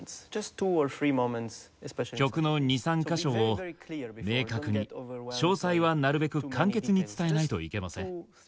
曲の２３カ所を明確に詳細はなるべく簡潔に伝えないといけません。